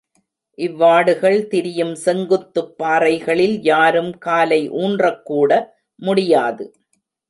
இவ்வாடுகள் திரியும் செங்குத்துப் பாறைகளில் யாரும் காலை ஊன்றக்கூட முடியாது.